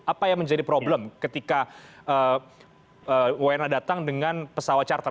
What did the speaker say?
apa yang menjadi problem ketika wna datang dengan pesawat charter